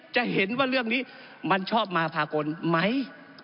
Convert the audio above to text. จะเห็นว่าเรื่องนี้มันชอบมาพากลไหม